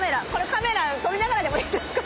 カメラ撮りながらでもいいですか？